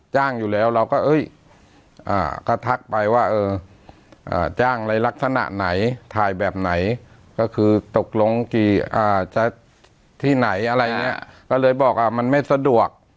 จ้างอยู่แล้วเราก็ทักไปว่าจ้างอะไรลักษณะไหนถ่ายแบบไหนก็คือตกลงที่ไหนอะไรเนี่ยก็เลยบอกมันไม่สะดวก